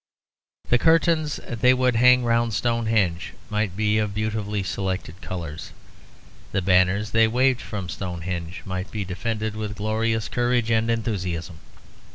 The curtains they would hang round Stonehenge might be of beautifully selected colours. The banners they waved from Stonehenge might be defended with glorious courage and enthusiasm.